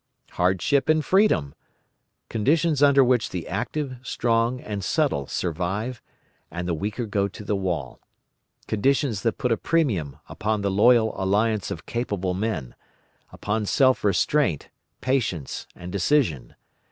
Hardship and freedom: conditions under which the active, strong, and subtle survive and the weaker go to the wall; conditions that put a premium upon the loyal alliance of capable men, upon self restraint, patience, and decision.